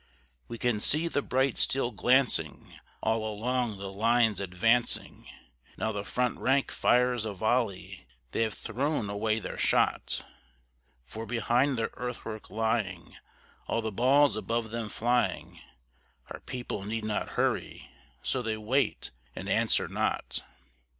We can see the bright steel glancing all along the lines advancing, Now the front rank fires a volley, they have thrown away their shot; For behind their earthwork lying, all the balls above them flying, Our people need not hurry; so they wait and answer not.